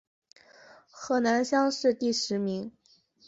河南乡试第十名。